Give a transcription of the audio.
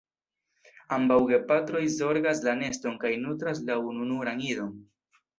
Ambaŭ gepatroj zorgas la neston kaj nutras la ununuran idon.